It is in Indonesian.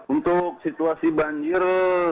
untuk situasi banjir